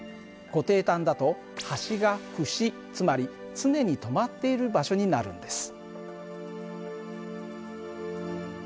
固定端だと端が節つまり常に止まっている場所になるんです。